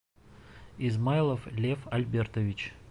Измайлов Лев Альбертович.